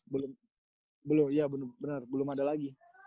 belum belum ya bener belum ada lagi